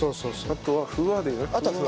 あとはふわっ。